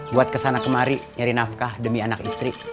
buat kesana kemari nyari nafkah demi anak istri